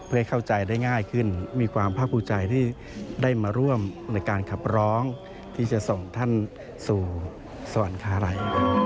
เพื่อให้เข้าใจได้ง่ายขึ้นมีความภาคภูมิใจที่ได้มาร่วมในการขับร้องที่จะส่งท่านสู่สวรรคารัย